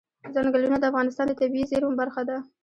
ځنګلونه د افغانستان د طبیعي زیرمو برخه ده.